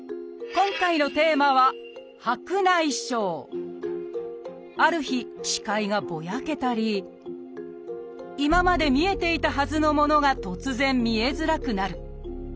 今回のテーマはある日視界がボヤけたり今まで見えていたはずのものが突然見えづらくなる。